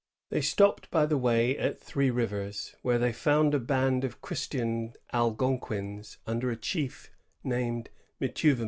They stopped by the way at Three Rivers, where they found a band of Christian Algonquins under a chief named Mituvemeg.